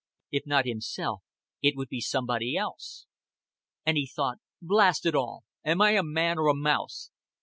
If not himself, it would be somebody else. And he thought. "Blast it all, am I a man or a mouse?